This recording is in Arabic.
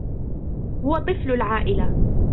هو طفل العائلة.